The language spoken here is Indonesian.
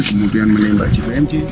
kemudian menembak jpmg